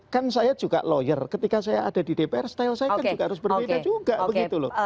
kan saya juga lawyer ketika saya ada di dpr style saya kan juga harus berbeda juga begitu loh